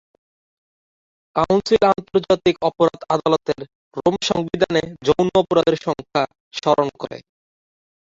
Council আন্তর্জাতিক অপরাধ আদালতের রোম সংবিধানে যৌন অপরাধের সংখ্যা স্মরণ করে।